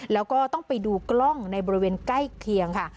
แล้วก็ต้องไปดูกล้องในบริเวณใกล้เคียงค่ะ